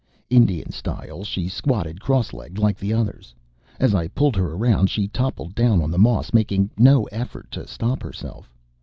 Indian style, she squatted cross legged, like the others. As I pulled her around, she toppled down on the moss, making no effort to stop herself.